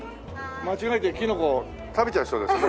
間違えてキノコ食べちゃいそうですね。